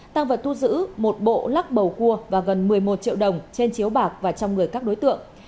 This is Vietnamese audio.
tăng vật thu giữ một bộ lắc bầu cua và gần một mươi một triệu đồng trên chiếu bạc và trong người các đối tượng